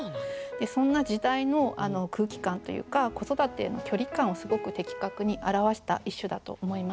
そんな時代の空気感というか子育てへの距離感をすごく的確に表した一首だと思います。